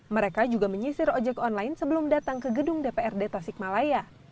mereka juga menyisir ojek online sebelum datang ke gedung dprd tasikmalaya